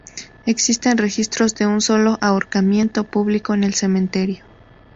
Existen registros de un solo ahorcamiento público en el cementerio.